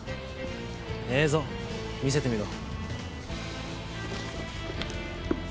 映像見せてみろ。